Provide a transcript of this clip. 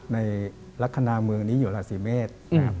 ในลักษณะเมืองนี้อยู่ราศีเมษ